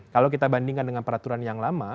kalau kita bandingkan dengan peraturan yang lama